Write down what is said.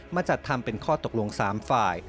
จัดทำเป็นข้อตกลง๓ฝ่าย